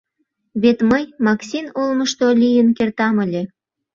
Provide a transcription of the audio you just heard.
Вет мый Максин олмышто лийын кертам ыле!